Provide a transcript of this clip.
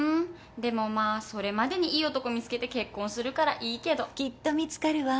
でもまあそれまでにいい男見つけて結婚するからいいけど。きっと見つかるわ。